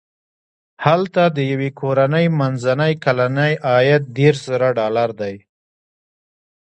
هلته د یوې کورنۍ منځنی کلنی عاید دېرش زره ډالر دی.